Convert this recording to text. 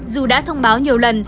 dù đã thông báo nhiều lần